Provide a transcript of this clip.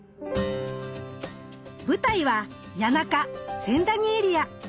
舞台は谷中・千駄木エリア。